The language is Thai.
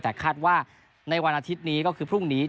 แต่คาดว่าในวันอาทิตย์นี้ก็คือพรุ่งนี้